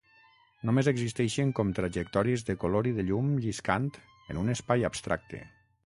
Només existeixen com trajectòries de color i de llum lliscant en un espai abstracte.